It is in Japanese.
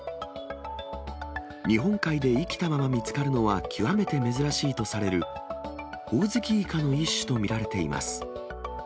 日本海で生きたまま見つかるのは極めて珍しいとされるホオズキイカの一種と見られています。